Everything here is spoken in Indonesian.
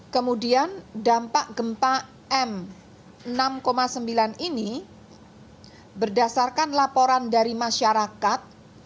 kemudian dampak gempa m enam sembilan ini berdasarkan laporan dari masyarakat